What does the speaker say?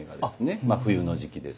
まあ冬の時期です。